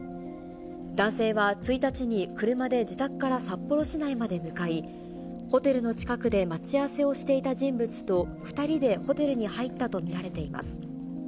男性は１日に車で自宅から札幌市内まで向かい、ホテルの近くで待ち合わせをしていた人物と２人でホテルに入ったと見られています。